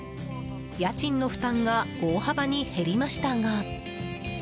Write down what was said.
家賃の負担が大幅に減りましたが。